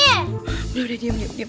udah udah diam diam